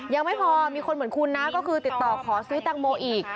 ยังไม่พอมีคนเหมือนคุณนะก็คือติดต่อขอซื้อแตงโมอีก